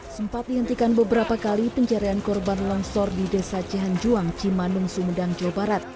sempat dihentikan beberapa kali penjarian korban langsor di desa jehanjuang cimanung sumedang jawa barat